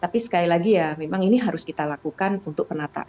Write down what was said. tapi sekali lagi ya memang ini harus kita lakukan untuk penataan